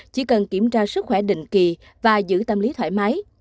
chỉ cần kiểm tra sức khỏe định kỳ và giữ tâm lý thoải mái